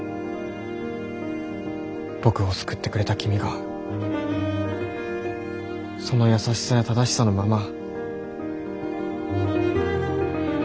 僕を救ってくれた君がその優しさや正しさのまま。